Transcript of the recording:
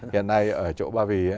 hiện nay ở chỗ bà vy